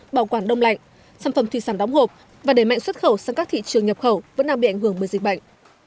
bảo quản đông lạnh sản phẩm thủy sản đóng hộp và đẩy mạnh xuất khẩu sang các thị trường nhập khẩu vẫn đang bị ảnh hưởng bởi dịch bệnh